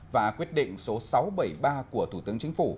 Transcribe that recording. và quyết định số sáu trăm bảy mươi ba của thủ tướng chính phủ